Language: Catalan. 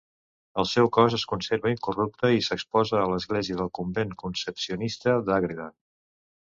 El seu cos es conserva incorrupte, i s'exposa a l'església del convent concepcionista d'Ágreda.